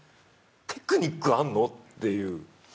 テクニックあんの？っていう。